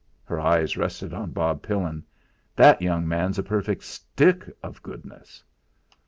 Her eyes rested on Bob Pillin. "That young man's a perfect stick of goodness."